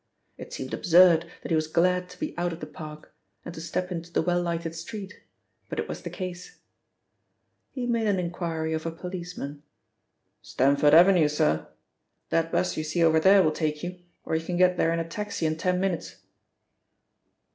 It seemed absurd that he was glad to be out of the park, and to step into the well lighted street, but it was the case. He made an inquiry of a policeman. "Stamford Avenue, sir? That bus you see over there will take you, or you can get there in a taxi in ten minutes."